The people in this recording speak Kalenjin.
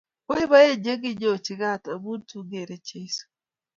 Poipoen che kikenyochi kat amun tun kere Jeiso.